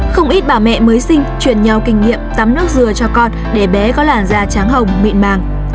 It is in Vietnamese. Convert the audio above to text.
không ít bà mẹ mới sinh chuyển nhau kinh nghiệm tắm nước dừa cho con để bé có làn da tráng hồng mịn màng